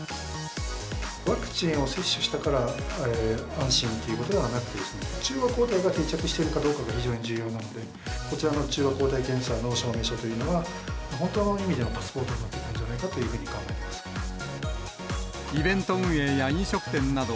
ワクチンを接種したから安心ということではなくて、中和抗体が定着しているかどうかが非常に重要なので、こちらの中和抗体検査の証明書というのは、本当の意味でのパスポートになってくるんじゃないかというふうにイベント運営や飲食店など、